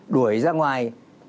đuổi ra ngoài